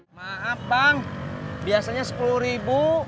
maaf bang biasanya sepuluh ribu